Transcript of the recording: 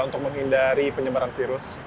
untuk menghindari penyebaran virus